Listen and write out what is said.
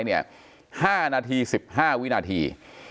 ๕นาที๑๕วินาที